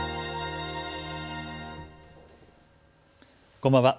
こんばんは。